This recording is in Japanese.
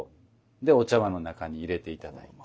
でお茶碗の中に入れて頂いて。